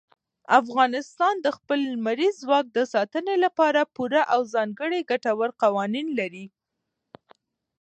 افغانستان د خپل لمریز ځواک د ساتنې لپاره پوره او ځانګړي ګټور قوانین لري.